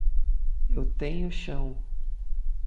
Eu tenho chão